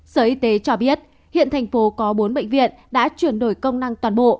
sở y tế cho biết hiện thành phố có bốn bệnh viện đã chuyển đổi công năng toàn bộ